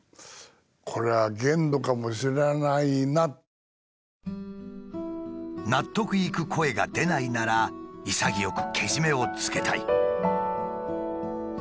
うん「納得いく声が出ないなら潔くけじめをつけたい」。